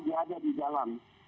yang di dalam